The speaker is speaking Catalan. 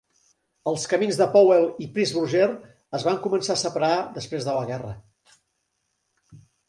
Els camins de Powell i Pressburger es van començar a separar després de la guerra.